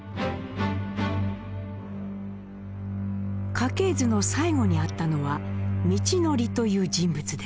家系図の最後にあったのは「道徳」という人物です。